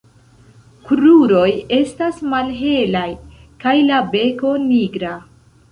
Kruroj estas malhelaj kaj la beko nigra.